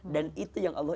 dan itu yang allah